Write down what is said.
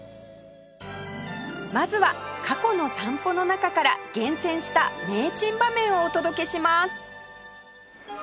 まずは過去の散歩の中から厳選した名珍場面をお届けします